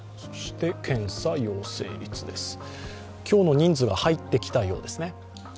今日の人数が入ってきたようです。